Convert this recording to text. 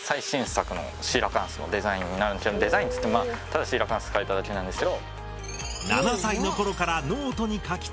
デザインっていってもまあただシーラカンス描いただけなんですけど。